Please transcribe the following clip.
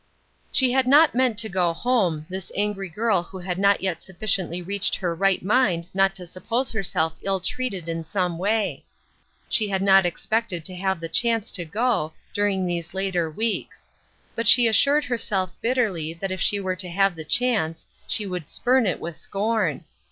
She had not meant to go home, this angry girl who had not yet sufficiently reached her right mind not to suppose herself ill treated in some way. She had not expected to have the chance to go, during these later weeks ; but she assured herself bitterly that if she were to have the chance, she would spurn it with scorn.